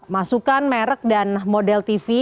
masukkan merek dan model tv